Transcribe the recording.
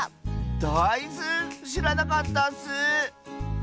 だいず⁉しらなかったッス！